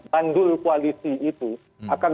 bandul koalisi itu akan